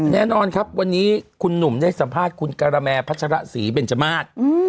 แน่นอนครับวันนี้คุณหนุ่มได้สัมภาษณ์คุณการาแมพัชรศรีเบนจมาส